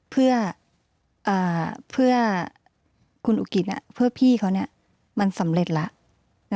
เพื่อคุณอุกิตเพื่อพี่เขามันสำเร็จแล้ว